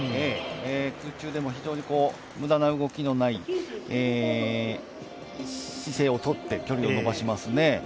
空中でも無駄な動きのない姿勢をとって距離を延ばしますね。